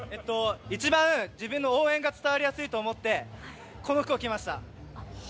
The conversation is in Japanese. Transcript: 一番、自分の応援が伝わりやすいと思ってこの服を着ました！